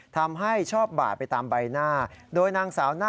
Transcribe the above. ทำให้ชอบบาดไปตามใบหน้า